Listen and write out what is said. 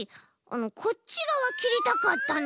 こっちがわきりたかったの。